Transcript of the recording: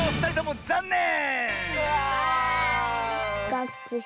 がっくし。